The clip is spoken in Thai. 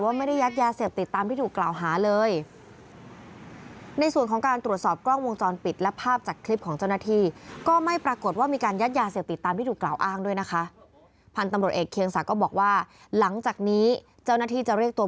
ไม่ได้ยัดยาเสพติดตามที่ถูกกล่าวหาเลย